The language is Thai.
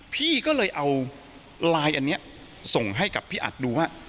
พี่ก็เลยเอาไลน์อันนี้ส่งให้กับพี่อัดดูว่า